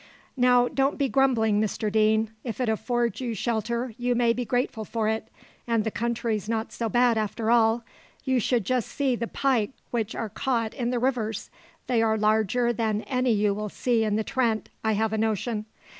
"Now, don't be grumbling, Mr Deane; if it affords you shelter, you may be grateful for it: and the country's not so bad after all. You should just see the pike which are caught in the rivers! they are larger than any you will see in the Trent, I have a notion.